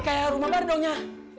kayak rumah baru doangnya